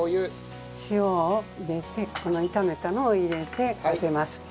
塩を入れてこの炒めたのを入れて混ぜます。